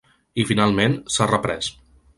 I finalment s’ha reprès.